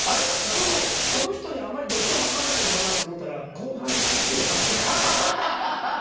今日、この人にあんまり毒吐かないのかなと思ったら後半できっちり吐く。